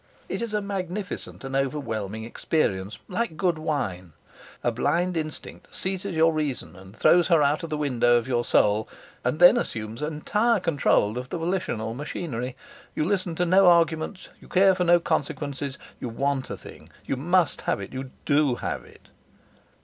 It is a magnificent and overwhelming experience, like a good wine. A blind instinct seizes your reason and throws her out of the window of your soul, and then assumes entire control of the volitional machinery. You listen to no arguments, you care for no consequences. You want a thing; you must have it; you do have it.